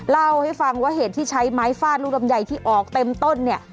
เล่าให้ฟังว่าเหตุที่ใช้ไม้ฟาดลูกลำไยที่ออกเต็มต้นเนี่ย